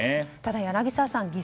ただ、柳澤さん